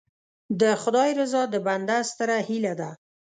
د خدای رضا د بنده ستره هیله ده.